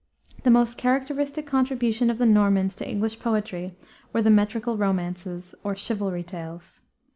The most characteristic contribution of the Normans to English poetry were the metrical romances or chivalry tales.